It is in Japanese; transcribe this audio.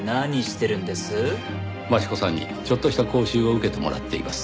益子さんにちょっとした講習を受けてもらっています。